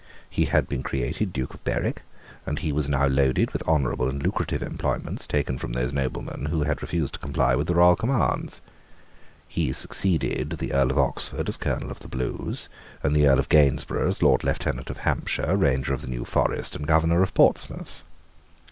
He had been created Duke of Berwick; and he was now loaded with honourable and lucrative employments, taken from those noblemen who had refused to comply with the royal commands. He succeeded the Earl of Oxford as Colonel of the Blues, and the Earl of Gainsborough as Lord Lieutenant of Hampshire, Ranger of the New Forest, and Governor of Portsmouth.